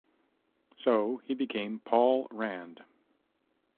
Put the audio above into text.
So he became Paul Rand.